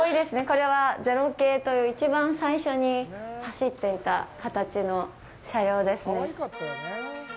これは０系という一番最初に走っていた形の車両ですね。